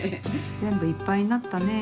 ぜんぶいっぱいになったね。